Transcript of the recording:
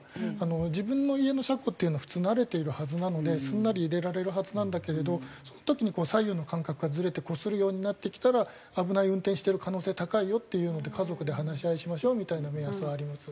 自分の家の車庫っていうのは普通慣れているはずなのですんなり入れられるはずなんだけれどその時に左右の感覚がずれてこするようになってきたら危ない運転してる可能性高いよっていうので家族で話し合いしましょうみたいな目安はあります。